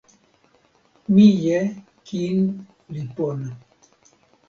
mije kin li pona.